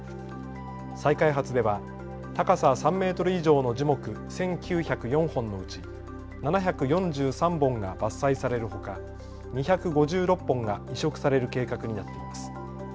再開発では高さ３メートル以上の樹木１９０４本のうち７４３本が伐採されるほか２５６本が移植される計画になっています。